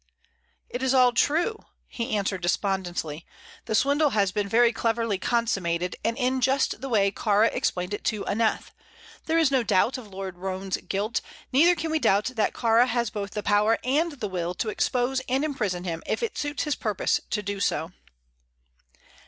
"It is all true," he answered, despondently. "The swindle has been cleverly consummated, and in just the way Kāra explained it to Aneth. There is no doubt of Lord Roane's guilt; neither can we doubt that Kāra has both the power and the will to expose and imprison him if it suits his purpose to do so."